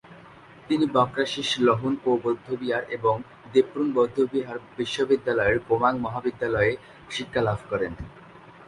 তিনি ব্ক্রা-শিস-ল্হুন-পো বৌদ্ধবিহার এবং দ্রেপুং বৌদ্ধবিহার বিশ্ববিদ্যালয়ের গোমাং মহাবিদ্যালয়ে শিক্ষালাভ করেন।